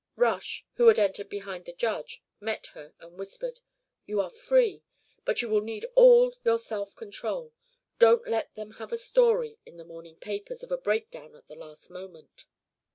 Rush, who had entered behind the Judge, met her and whispered: "You are free. But you will need all your self control. Don't let them have a story in the morning papers of a breakdown at the last moment."